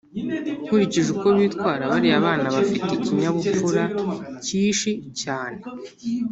nkurikije uko bitwara bariya bana bafite ikinyabupfura kishi cyane